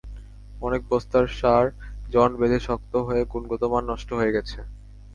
অনেক বস্তার সার জমাট বেঁধে শক্ত হয়ে গুণগত মান নষ্ট হয়ে গেছে।